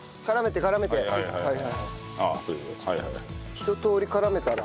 ひととおり絡めたら？